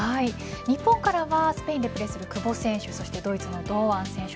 日本からスペインでプレーする久保選手、ドイツの堂安選手